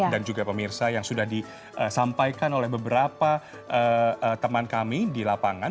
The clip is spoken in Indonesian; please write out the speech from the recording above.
dan juga pemirsa yang sudah disampaikan oleh beberapa teman kami di lapangan